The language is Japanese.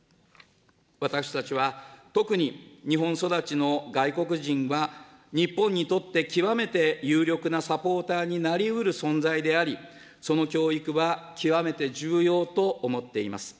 私たちは特に日本育ちの外国人は、日本にとって極めて有力なサポーターになりうる存在であり、その教育は極めて重要と思っています。